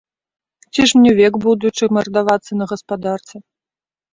Ці ж мне век, будучы, мардавацца на гаспадарцы?